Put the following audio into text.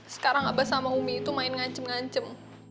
sekarang abah sama umi itu main ngancem ngancem